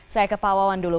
saya ke pak wawan dulu